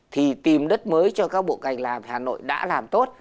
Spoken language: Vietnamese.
thì tìm đất mới cho các bộ ngành là hà nội đã làm tốt